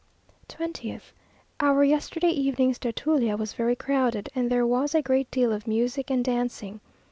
20th. Our yesterday evening's tertulia was very crowded; and there was a great deal of music and dancing.